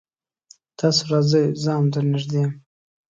تاسو راځئ زه هم در نږدې يم